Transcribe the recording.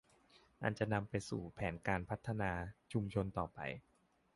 อันจะนำไปสู่แผนการพัฒนาชุมชนต่อไป